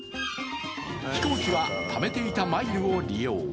飛行機はためていたマイルを利用。